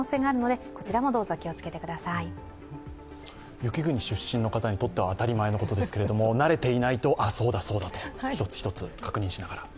雪国出身の方にとっては当たり前ですけれども、慣れていないと、そうだ、そうだと一つ一つ確認しながら。